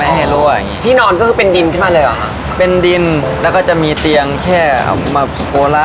อ้าวแปะเดี๋ยว